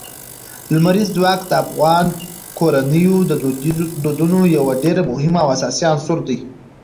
لمریز ځواک د افغان کورنیو د دودونو یو ډېر مهم او اساسي عنصر دی.